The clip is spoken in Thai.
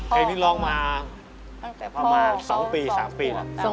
เพลงนี้ร้องมา๒๓ปีแล้ว